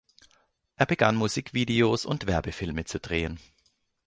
Er begann Musikvideos und Werbefilme zu drehen.